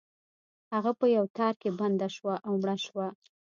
هغه په یو تار کې بنده شوه او مړه شوه.